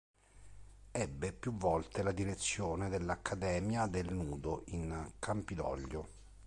Ebbe più volte la Direzione dell’Accademia del Nudo, in Campidoglio.